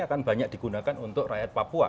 akan banyak digunakan untuk rakyat papua